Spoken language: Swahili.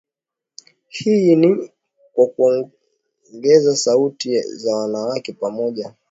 Hii ni kwa kuongeza sauti za wanawake, pamoja na kuwashirikisha zaidi vijana.